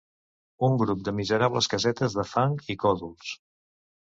Un grup de miserables casetes de fang i còdols